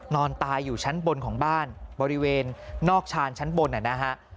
นอนตายอยู่ชั้นบนของบ้านบริเวณนอกชานชั้นบนนะฮะ